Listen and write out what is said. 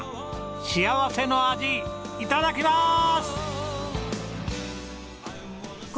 幸せの味いただきます！